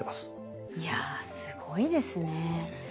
いやすごいですね。ですね。